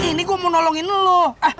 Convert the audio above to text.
ini gua mau nolongin lu